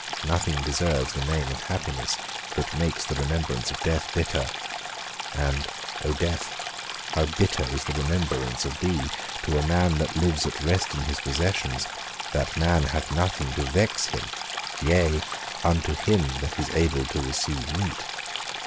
Nothing deserves the name of happiness that makes the remembrance of death bitter; and, _O death, how bitter is the remembrance of thee, to a man that lives at rest in his possessions, the man that hath nothing to vex him, yea unto him that is able to receive meat!